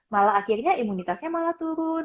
malah akhirnya imunitasnya malah turun